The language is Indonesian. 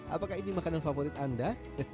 apakah ini makanan favorit anda